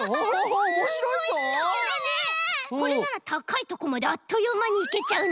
これならたかいとこまであっというまにいけちゃうね！